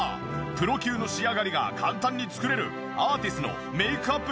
プロ級の仕上がりが簡単に作れるアーティスのメイクアップ